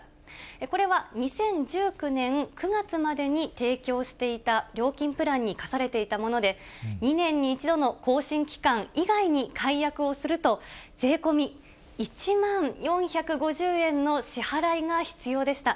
これは２０１９年９月までに提供していた料金プランに課されていたもので、２年に１度の更新期間以外に解約をすると、税込み１万４５０円の支払いが必要でした。